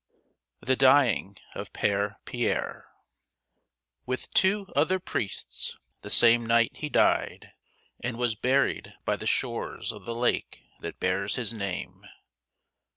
The Dying of Pere Pierre "... with two other priests; the same night he died, and was buried by the shores of the lake that bears his name."